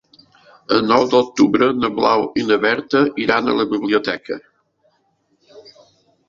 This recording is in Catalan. El nou d'octubre na Blau i na Berta iran a la biblioteca.